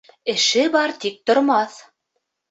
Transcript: Эше бар тик тормаҫ